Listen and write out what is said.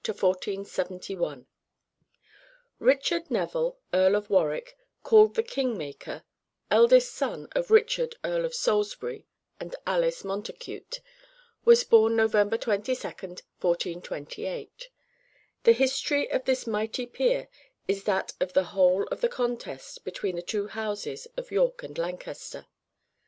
] WARWICK, THE KING MAKER (1420 1471) Richard Neville, Earl of Warwick, called the king maker, eldest son of Richard, Earl of Salisbury and Alice Montacute, was born November 22, 1428. The history of this mighty peer is that of the whole of the contest between the two houses of York and Lancaster.